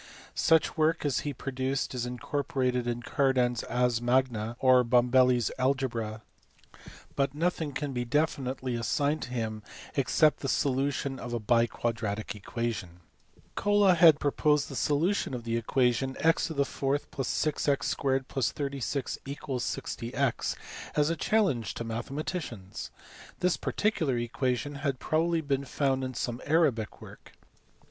Such work as he produced is incorporated in Cardan s Ars Magna or Bombelli s Algebra, but nothing can be definitely assigned to him except the solution of a biquad ratic equation. Colla had proposed the solution of the equation x 4 + Qx 2 + 36 = 60# as a challenge to mathematicians : this par ticular equation had probably been found in some Arabic work.